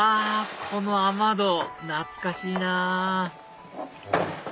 この雨戸懐かしいなぁ